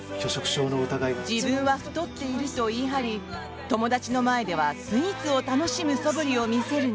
自分は太っていると言い張り友達の前ではスイーツを楽しむそぶりを見せるが。